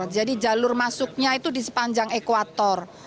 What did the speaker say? jadi jalur masuknya itu di sepanjang ekuator